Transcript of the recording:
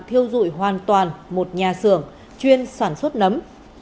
thiêu dụi hoàn toàn một nhà xưởng chuyên sản xuất nấm